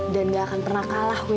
dan gak akan pernah kalah win